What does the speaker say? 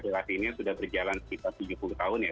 relasi ini sudah berjalan sekitar tujuh puluh tahun ya